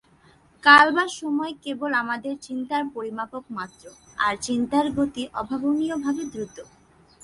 কাল বা সময় কেবল আমাদের চিন্তার পরিমাপক মাত্র, আর চিন্তার গতি অভাবনীয়ভাবে দ্রুত।